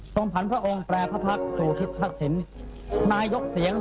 จากนั้นเวลา๑๑นาฬิกาเศรษฐ์พระศิลป์